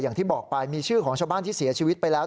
อย่างที่บอกไปมีชื่อของชาวบ้านที่เสียชีวิตไปแล้ว